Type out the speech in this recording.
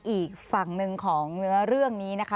อีกฝั่งหนึ่งของเนื้อเรื่องนี้นะคะ